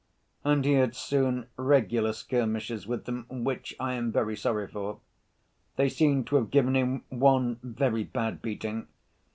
And he had soon regular skirmishes with them, which I am very sorry for. They seem to have given him one very bad beating.